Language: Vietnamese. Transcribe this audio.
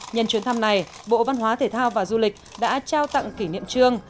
nhân chuyến thăm này bộ văn hóa thể thao và du lịch đã trao tặng kỷ niệm trương